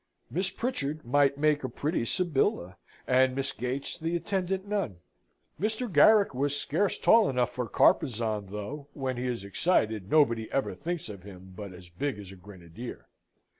Miss Pritchard might make a pretty Sybilla, and Miss Gates the attendant nun. Mr. Garrick was scarce tall enough for Carpezan though, when he is excited, nobody ever thinks of him but as big as a grenadier.